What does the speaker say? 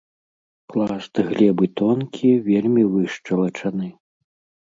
Пласт глебы тонкі, вельмі вышчалачаны.